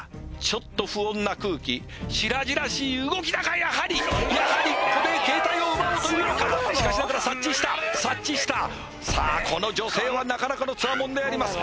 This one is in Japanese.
ちょっと不穏な空気しらじらしい動きだがやはりやはりここで携帯を奪おうというのかしかしながら察知した察知したさあこの女性はなかなかのつわものであります